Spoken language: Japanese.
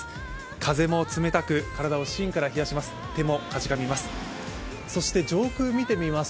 風も冷たく、体を芯から冷やします手もかじかみます